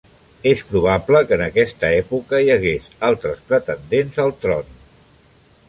És probable que en aquesta època hi hagués altres pretendents al tron.